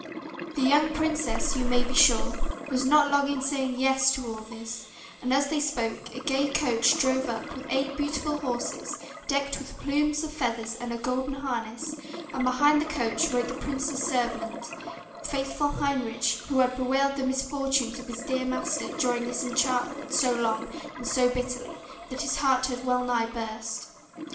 The young princess, you may be sure, was not long in saying 'Yes' to all this; and as they spoke a gay coach drove up, with eight beautiful horses, decked with plumes of feathers and a golden harness; and behind the coach rode the prince's servant, faithful Heinrich, who had bewailed the misfortunes of his dear master during his enchantment so long and so bitterly, that his heart had well nigh burst.